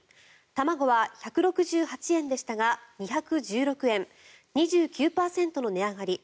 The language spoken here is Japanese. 卵は１６８円でしたが２１６円２９％の値上がり。